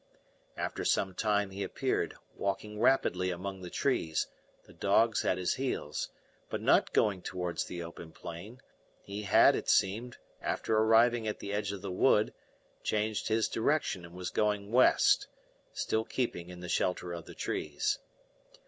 After some time he appeared, walking rapidly among the trees, the dogs at his heels, but not going towards the open plain; he had, it seemed, after arriving at the edge of the wood, changed his direction and was going west, still keeping in the shelter of the trees.